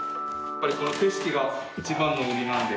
やっぱりこの景色が一番の売りなんで。